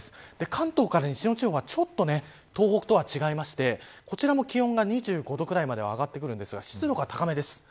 関東から西の地方はちょっと東北とは違ってこちらも気温が２５度ぐらいまで上がってくるんですが湿度が高めです。